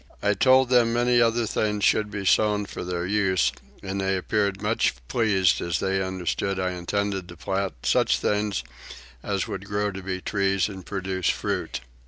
I told them many other things should be sown for their use; and they appeared much pleased when they understood I intended to plant such things as would grow to be trees and produce fruit.